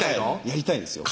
やりたいんですよ